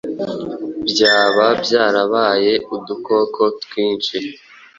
byaba byarabaye udukoko twinshi